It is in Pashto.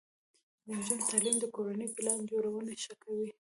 د نجونو تعلیم د کورنۍ پلان جوړونې ښه کوي.